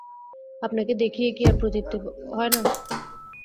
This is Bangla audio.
আপনাকে দেখিয়া কি আর পরিতৃপ্তি হয় না।